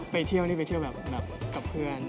ไปเที่ยวนี่ไปเที่ยวแบบกับเพื่อน